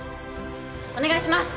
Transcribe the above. お願いします！